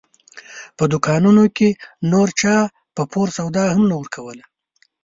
په دوکانونو کې نور چا په پور سودا هم نه ورکوله.